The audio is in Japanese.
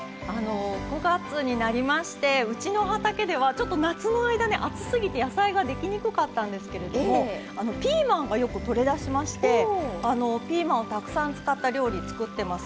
９月になりましてうちの畑ではちょっと夏の間ね暑すぎて野菜ができにくかったんですけれどもピーマンがよくとれだしましてピーマンをたくさん使った料理作ってます。